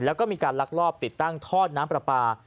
แล้วก็มีการลักลอบติดตั้งทอดน้ำปลาปลา